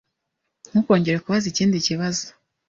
Ntukongere kubaza ikindi kibazo.